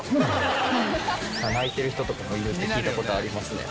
泣いてる人とかもいるって聞いた事ありますね。